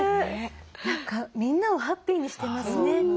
何かみんなをハッピーにしてますね。